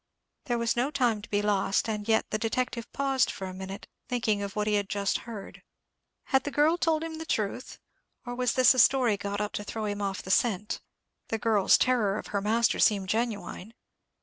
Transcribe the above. There was no time to be lost, and yet the detective paused for a minute, thinking of what he had just heard. Had the girl told him the truth; or was this a story got up to throw him off the scent? The girl's terror of her master seemed genuine.